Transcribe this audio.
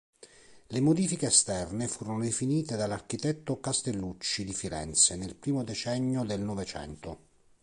Le modifiche esterne furono definite dall'architetto Castellucci di Firenze nel primo decennio del Novecento.